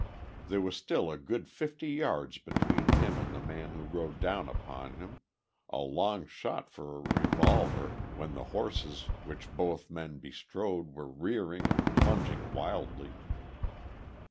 There was still a good fifty yards between him and the man who rode down upon him, a long shot for a revolver when the horses which both men bestrode were rearing and plunging wildly.